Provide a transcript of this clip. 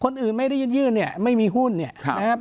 คนอื่นไม่ได้ยื่นเนี่ยไม่มีหุ้นเนี่ยนะครับ